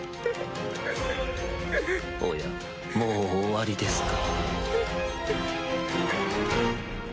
おやもう終わりですか？